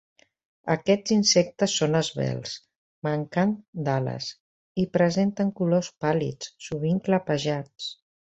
Aquests insectes són esvelts, manquen d'ales, i presenten colors pàl·lids, sovint clapejats.